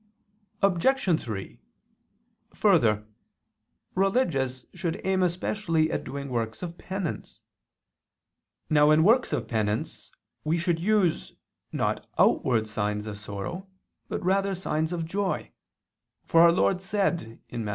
Obj. 3: Further, religious should aim especially at doing works of penance. Now in works of penance we should use, not outward signs of sorrow, but rather signs of joy; for our Lord said (Matt.